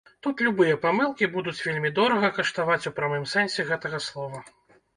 Тут любыя памылкі будуць вельмі дорага каштаваць у прамым сэнсе гэтага слова.